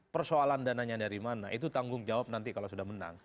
persoalan dananya dari mana itu tanggung jawab nanti kalau sudah menang